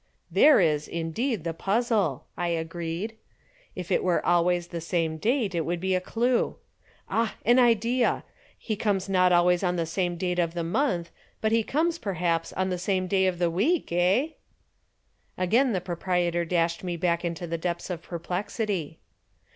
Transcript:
"There is, indeed, the puzzle," I agreed. "If it were always the same date, it would be a clue. Ah, an idea! He comes not always on the same date of the month, but he comes, perhaps, on the same day of the week, eh?" Again the proprietor dashed me back into the depths of perplexity.